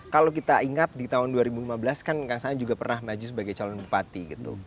kalau kita ingat di tahun dua ribu lima belas kan kang saan juga pernah maju sebagai calon bupati gitu